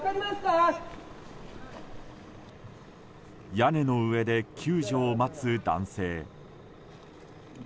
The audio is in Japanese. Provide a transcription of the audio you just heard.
屋根の上で救助を待つ男性。